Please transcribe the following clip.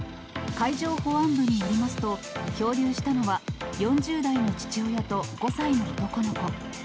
海上保安部によりますと、漂流したのは４０代の父親と５歳の男の子。